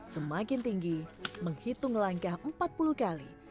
semakin tinggi menghitung langkah empat puluh kali